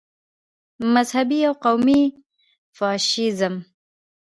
مذهبي او قومي فاشیزم.